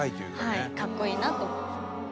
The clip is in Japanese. かっこいいなと思います。